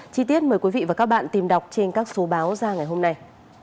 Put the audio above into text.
chi tiết mời quý vị và các bạn tìm đọc trên các số báo ra ngày hôm nay